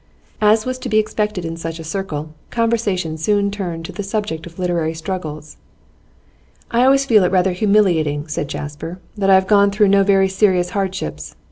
As was to be expected in such a circle, conversation soon turned to the subject of literary struggles. 'I always feel it rather humiliating,' said Jasper, 'that I have gone through no very serious hardships.